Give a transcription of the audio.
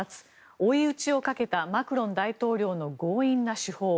追い打ちをかけたマクロン大統領の強引な手法。